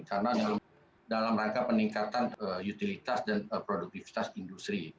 karena dalam rangka peningkatan utilitas dan produktivitas industri